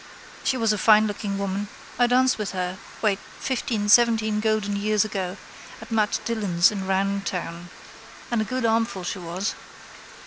She was a finelooking woman. I danced with her, wait, fifteen seventeen golden years ago, at Mat Dillon's in Roundtown. And a good armful she was.